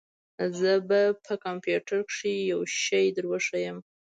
زه به په کمپيوټر کښې يو شى دروښييم.